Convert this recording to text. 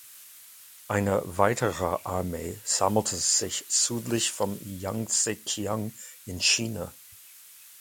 Eine weitere Armee sammelte sich südlich vom Jangtsekiang in China.